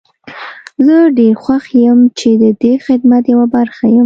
زه ډير خوښ يم چې ددې خدمت يوه برخه يم.